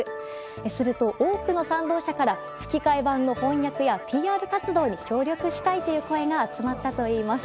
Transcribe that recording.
すると、多くの賛同者から吹き替え版の翻訳やＰＲ活動に協力したいという声が集まったといいます。